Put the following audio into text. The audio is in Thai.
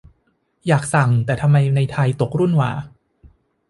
อยากสั่ง แต่ทำไมในไทยตกรุ่นหว่า